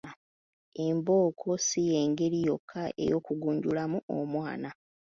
Embooko si y’engeri yokka ey’okugunjulamu omwana.